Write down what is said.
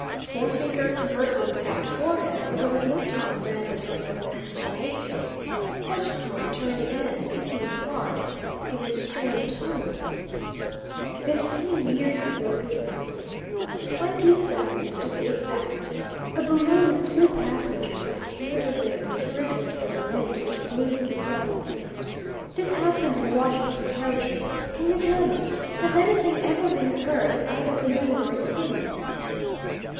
Forefinger covertly tapped forehead, for there was no time granted for further explanations. Edgecombe turned again, speaking in hard, even strained tones: "Fifteen years ago this month, on the 27th, to be exact, a balloon with two passengers was carried away on a terrific gale of wind which blew from the southeast. This happened in Washington Territory. Can you tell me has anything ever been heard of either balloon or its inmates?"